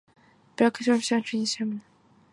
BlackRock grew both organically and by acquisition.